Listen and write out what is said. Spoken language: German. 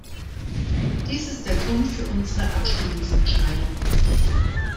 Dies ist der Grund für unsere Abstimmungsentscheidung.